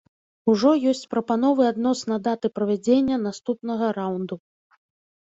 Ужо есць прапановы адносна даты правядзення наступнага раўнду.